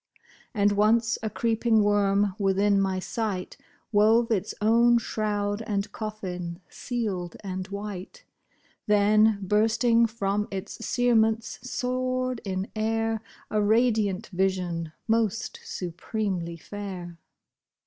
And once a creeping worm, within my sight Wove its own shroud and coffin, sealed and white ; Then, bursting from its cerements, soared in air, A radiant vision, most supremely fair.